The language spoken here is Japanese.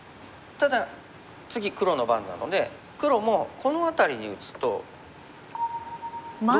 ただ次黒の番なので黒もこの辺りに打つとどうでしょう？